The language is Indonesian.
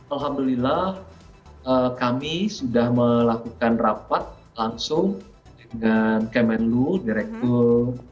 alhamdulillah kami sudah melakukan rapat langsung dengan kemenlu direktur